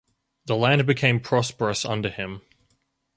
The land became prosperous under him.